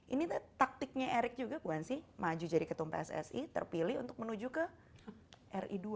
ini taktiknya erik juga bu hansi maju jadi ketumpah ssi terpilih untuk menuju ke ri dua